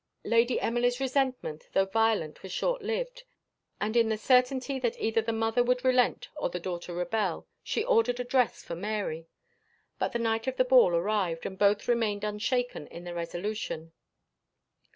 Lady Emily's resentment, though violent, was short lived; and in the certainty that either the mother would relent or the daughter rebel, she ordered a dress for Mary; but the night of the ball arrived, and both remained unshaken in their resolution.